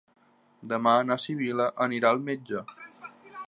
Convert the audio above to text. Demà na Sibil·la anirà al metge.